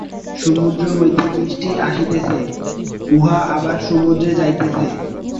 সমুদ্র হইতে বৃষ্টি আসিতেছে, উহা আবার সমুদ্রে যাইতেছে।